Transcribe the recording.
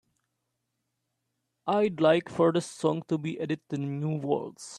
I'd like for this song to be added to the new waltz.